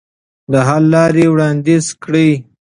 د حل لارې وړاندیز کړئ.